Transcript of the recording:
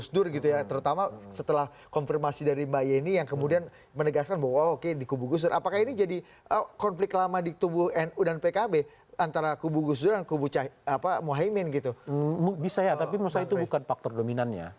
jelang penutupan pendaftaran